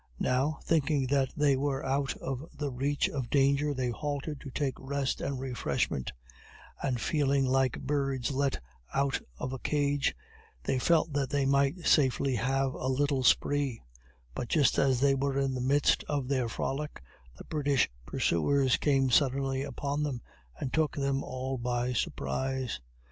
Now, thinking that they were out of the reach of danger, they halted to take rest and refreshment, and feeling like birds let out of a cage, they felt that they might safely have a little spree; but just as they were in the midst of their frolic, the British pursuers came suddenly upon them, and took them all by surprise.